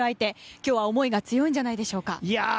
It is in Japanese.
今日は、思いが強いんじゃないでしょうか。